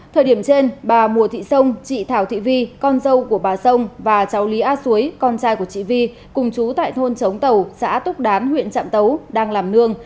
thời điểm trên bà mùa thị sông chị thảo thị vi con dâu của bà sông và cháu lý a xuối con trai của chị vi cùng chú tại thôn trống tàu xã túc đán huyện trạm tấu đang làm nương